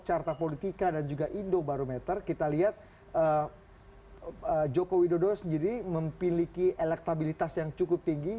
ketika dan juga indobarometer kita lihat jokowi dodo sendiri memiliki elektabilitas yang cukup tinggi